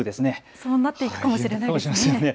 そうなっていくかもしれませんね。